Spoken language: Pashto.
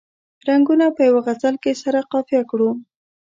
رنګونه په یوه غزل کې سره قافیه کړو.